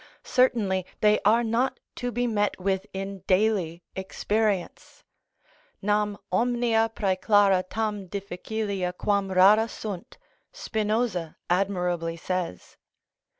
Certainly they are not to be met with in daily experience: Nam omnia præclara tam difficilia quam rara sunt, Spinoza admirably says.